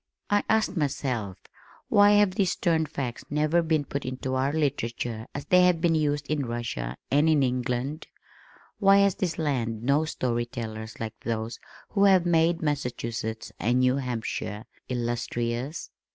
I asked myself, "Why have these stern facts never been put into our literature as they have been used in Russia and in England? Why has this land no story tellers like those who have made Massachusetts and New Hampshire illustrious?"